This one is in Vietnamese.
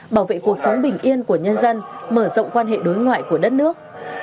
bảo vệ cuộc sống bình yên của nhân dân mở rộng quan hệ đối ngoại của đất nước